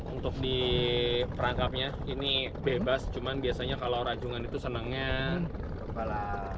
untuk diperangkapnya ini bebas cuman biasanya kalau rajungan itu senangnya kepala ikan ya